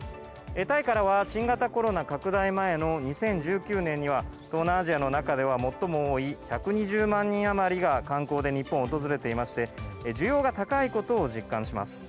タイからは新型コロナ拡大前の２０１９年には東南アジアの中では最も多い１２０万人余りが観光で日本を訪れていまして需要が高いことを実感します。